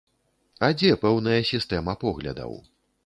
А дзе пэўная сістэма поглядаў?